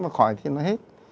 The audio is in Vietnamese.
và khỏi thì nó hết